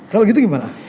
kalau gitu gimana